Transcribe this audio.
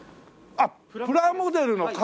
あっプラモデルの型！